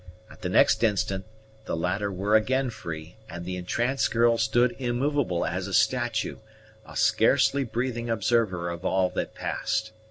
At the next instant, the latter were again free, and the entranced girl stood immovable as a statue, a scarcely breathing observer of all that passed.